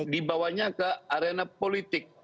dibawanya ke arena politik